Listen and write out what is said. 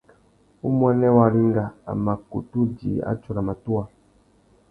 Umuênê Waringa a mà kutu djï atsôra matuwa.